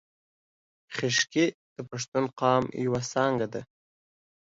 خیشکي د پښتون قوم یو څانګه ده